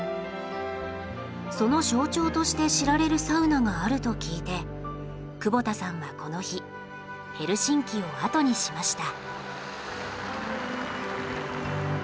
その象徴として知られるサウナがあると聞いて窪田さんはこの日ヘルシンキを後にしました。